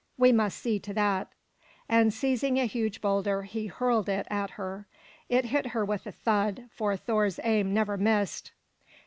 We must see to that;" and seizing a huge boulder, he hurled it at her. It hit her with a thud, for Thor's aim never missed.